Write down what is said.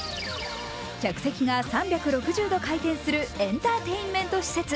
客席が３６０度回転するエンターテインメント施設。